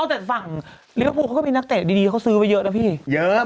เอาแต่ฝั่งไลว่าภูก็เป็นนักเตะดีเขาซื้อไว้เยอะนะพี่เยอะ